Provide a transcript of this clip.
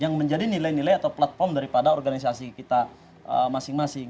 yang menjadi nilai nilai atau platform daripada organisasi kita masing masing